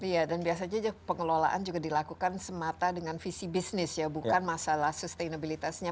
iya dan biasanya pengelolaan juga dilakukan semata dengan visi bisnis ya bukan masalah sustainability nya